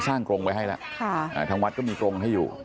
ทางวัดก็มีกรงให้อยู่